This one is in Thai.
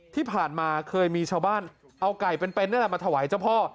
ที่ผ่านมาเคยมีชาวบ้านเอาไก่เป็นนี่แหละมาถวายเจ้าพ่อ